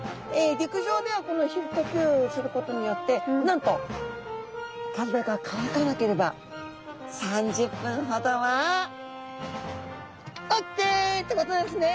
陸上では皮膚呼吸することによってなんと体が乾かなければ３０分ほどはオッケーってことですね！